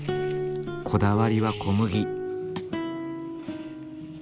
こだわりは小麦。